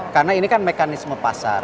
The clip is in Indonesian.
karena ini kan mekanisme pasar